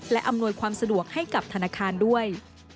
และอำนวยความสะดวกให้กับธนาคารด้วย